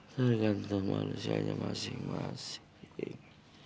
tergantung manusianya masing masing